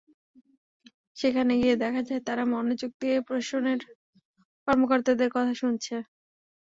সেখানে গিয়ে দেখা যায়, তারা মনোযোগ দিয়ে প্রশাসনের কর্মকর্তাদের কথা শুনছে।